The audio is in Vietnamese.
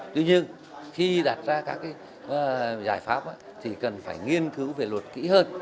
tuy nhiên khi đặt ra các giải pháp thì cần phải nghiên cứu về luật kỹ hơn